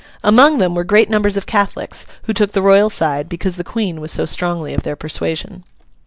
Among them were great numbers of Catholics, who took the royal side because the Queen was so strongly of their persuasion.